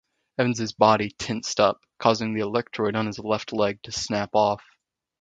Evans' body tensed up, causing the electrode on his left leg to snap off.